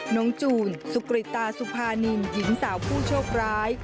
จูนสุกริตตาสุภานินหญิงสาวผู้โชคร้าย